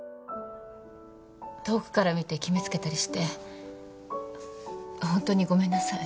遠くから見て決め付けたりしてホントにごめんなさい。